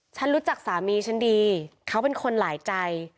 ฉันรู้จักสามีฉันดีเขาเป็นคนหลายใจ